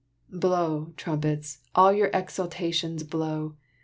Blow, trumpets, all your exultations blow!